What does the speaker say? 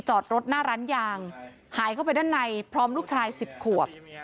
จอดรถหน้าร้านยางหายเข้าไปด้านในพร้อมลูกชาย๑๐ขวบ